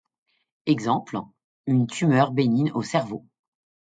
Exemple: Une tumeur bénigne au cerveau.